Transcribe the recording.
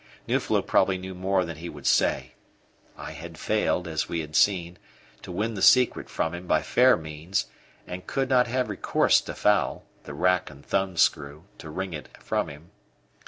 Nuflo probably knew more than he would say; I had failed, as we have seen, to win the secret from him by fair means, and could not have recourse to foul the rack and thumbscrew to wring it from him.